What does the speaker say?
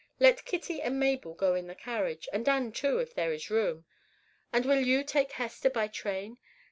Let Kitty and Mabel go in the carriage, and Dan too, if there is room, and will you take Hester by train?